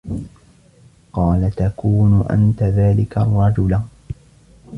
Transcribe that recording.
قَالَ تَكُونُ أَنْتَ ذَلِكَ الرَّجُلَ